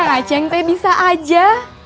kang acing teh bisa aja